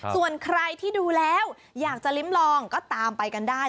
ส่วนใครที่ดูแล้วอยากจะลิ้มลองก็ตามไปกันได้